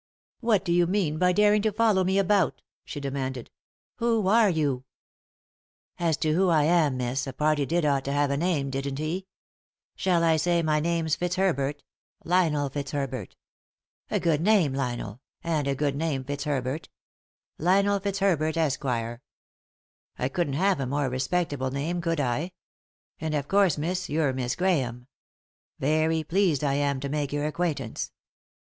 "What do you mean by daring to follow me about ?" she demanded. " Who are you ?" "As to who I am, miss, a party did ought to have a name, didn't he ? Shall I say my name's Fitzherbert — Lionel Fitzherbert ; a good name Lionel, and a good name Fitzherbert — Lionel Fitzherbert, Esquire; I couldn't have a more respectable name, could I ? And of course, miss, you're Miss Grahame. Very pleased I am to make your acquaintance."